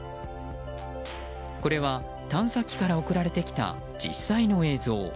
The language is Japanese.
これは、探査機から送られてきた実際の映像。